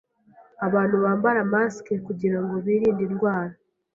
Abantu bambara masike kugirango birinde indwara.